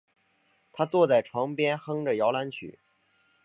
她坐在床边哼着摇篮曲